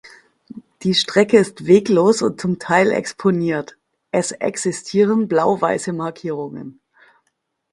Die Strecke ist weglos und zum Teil exponiert, es existieren blau-weisse Markierungen.